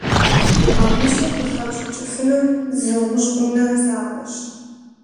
А гъущӀым къыхэпщӀыкӀыфынур зы гъущӀ Ӏунэ закъуэщ.